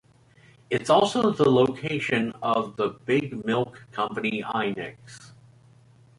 It's also the location of the big milk company Inex.